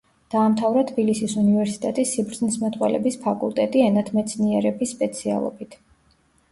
დაამთავრა თბილისის უნივერსიტეტის სიბრძნისმეტყველების ფაკულტეტი ენათმეცნიერების სპეციალობით.